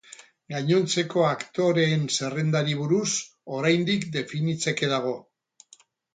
Gainontzeko aktoreen zerrendari buruz, oraindik definitzeke dago.